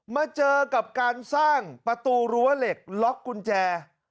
มาเจอกับการสร้างประตูรั้วเหล็กล็อกกุญแจ